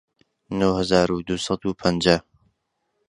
نۆ هەزار و دوو سەد و پەنجا